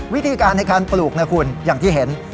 วิธีการในการปลูกนะคุณอย่างที่เห็น